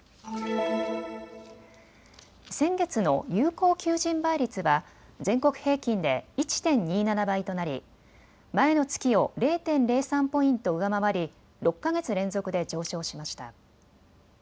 先月の有効求人倍率は全国平均で１．２７倍となり前の月を０．０３ポイント上回り６か月連続で上昇しました。